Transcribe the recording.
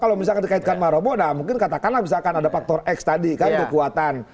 kalau misalkan dikaitkan sama robo mungkin katakanlah misalkan ada faktor x tadi kan kekuatan